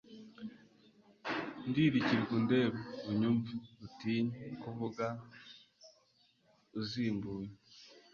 Ndirikirwa undebe unyurwe, Utinye kuvuga iz' i Mbuye,